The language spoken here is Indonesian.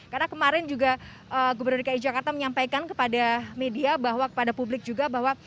karena kemarin juga gubernur dki jakarta menyampaikan kepada media bahwa kepada publik juga bahwa